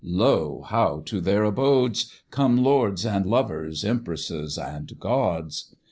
Lo! now to their abodes, Come lords and lovers, empresses and gods.